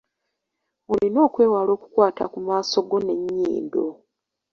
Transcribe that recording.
Olina okwewala okukwata ku maaso go n’ennyindo.